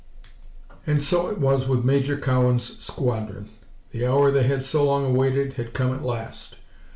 And so it was with Major Cowan's squadron. The hour they had so long awaited had come at last.